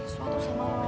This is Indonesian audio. suatu sama lo